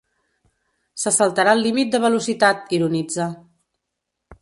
Se saltarà el límit de velocitat —ironitza.